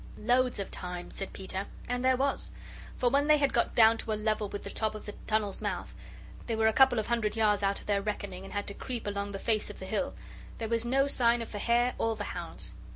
"Loads of time," said Peter. And there was. For when they had got down to a level with the top of the tunnel's mouth they were a couple of hundred yards out of their reckoning and had to creep along the face of the hill there was no sign of the hare or the hounds.